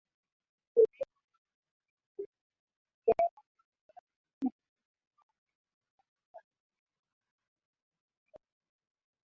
kuboreshwa kwa msikiti mkubwa na kujengwa kwa soko la Husuni Ndogo kulipofanyika anasema Mtemi